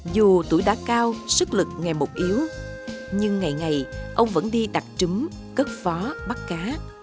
dù tuổi đã cao sức lực ngày một yếu nhưng ngày ngày ông vẫn đi đặc trứng cất phó bắt cá